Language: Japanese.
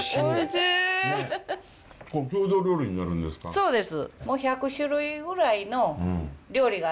そうです。